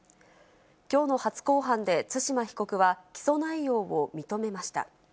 きょうの初公判で対馬被告は起訴内容を認めました。